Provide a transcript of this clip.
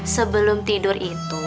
sebelum tidur itu